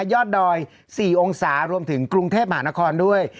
ยอดดอย๔องศารวมถึงกรุงเทพมหานครด้วย